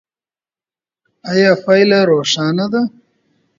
ایا پایله روښانه ده؟